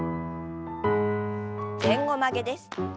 前後曲げです。